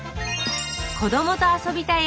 子どもと遊びたい